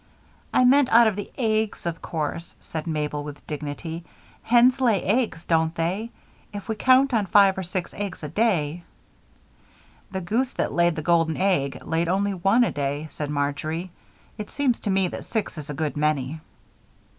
"I meant out of the eggs, of course," said Mabel, with dignity. "Hens lay eggs, don't they? If we count on five or six eggs a day " "The goose that laid the golden egg laid only one a day," said Marjory. "It seems to me that six is a good many."